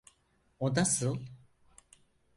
O nasıI?